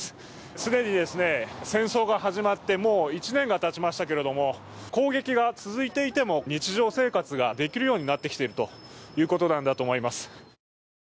既に戦争が始まってもう１年がたちましたけれども、攻撃が続いていても日常生活ができるようになってきているということなんだと思います。